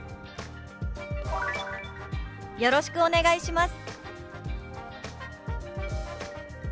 「よろしくお願いします」。